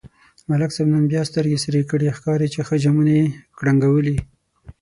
ملک صاحب نن بیا سترگې سرې کړي، ښکاري چې ښه جامونه یې کړنگولي.